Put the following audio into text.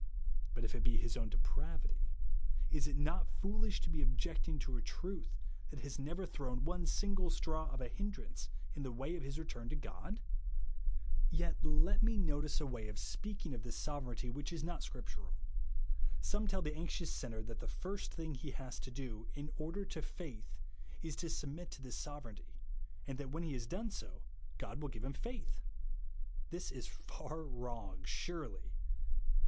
But if it be his own depravity, is it not foolish to be objecting to a truth that has never thrown one single straw of a hin drance in the way of his return to God 1 * Election has helped many a soul to heaven ;* Yet let me notice a way of speaking of this sovereignty wbicli is not scriptural. Some tell the anxious sinner that the first thing he has to do, in order to faith, is to submit to this sovereignty, and that when he lias done so, God will give him faith ! Thia is far wrong surely.